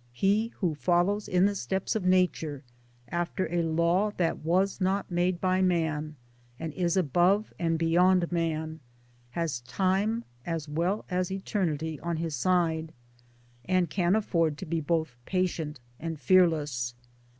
... He who follows in the steps of Nature after a law that was not made by man, and is above and beyond man, has time as well as eternity on his side, and can afford to be both patient and fearless.